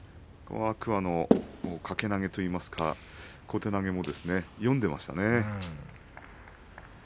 天空海の掛け投げといいますか小手投げも読んでいましたね。